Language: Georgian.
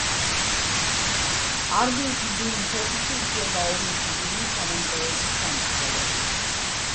არმიის მდივნის ოფისი ითვლება ომის მდივნის თანამდებობის გამგრძელებლად.